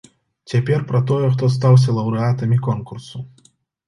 Цяпер пра тое, хто стаўся лаўрэатамі конкурсу.